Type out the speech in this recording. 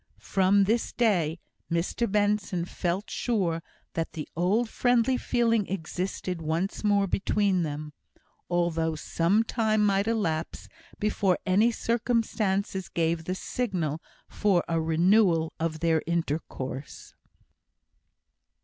From this day Mr Benson felt sure that the old friendly feeling existed once more between them, although some time might elapse before any circumstance gave the signal for a renewal of their intercourse.